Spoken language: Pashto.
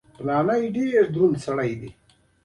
علم انسان له جهالت څخه ژغوري او لوړوي.